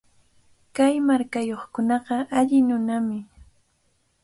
Kay markayuqkunaqa alli nunami.